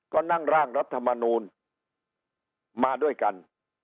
ก็นั่งร่างรัฐมนูลมาด้วยกัน